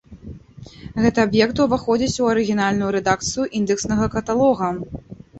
Гэты аб'ект уваходзіць у арыгінальную рэдакцыю індэкснага каталога.